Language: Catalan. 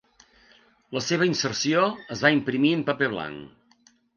La seva inserció es va imprimir en paper blanc.